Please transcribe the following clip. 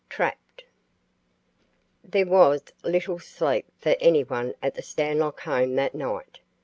TRAPPED. There was little sleep for anyone at the Stanlock home that night.